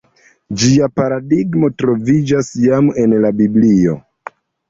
Ĝia paradigmo troviĝas jam en la Biblio.